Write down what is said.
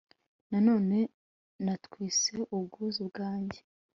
na none natwitse ubwuzu bwanjye